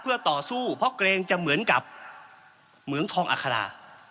เพื่อต่อสู้เพราะเกรงจะเหมือนกับเหมืองทองอัครา